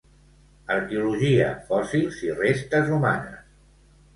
Arqueologia, fòssils i restes humanes.